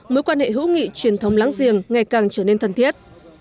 mối quan hệ hữu nghị truyền thống láng giềng ngày càng trở nên thân thiết